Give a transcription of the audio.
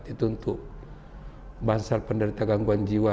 itu untuk bansar penderita gangguan jiwa